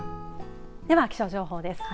では気象情報です。